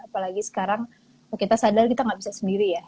apalagi sekarang kita sadar kita nggak bisa sendiri ya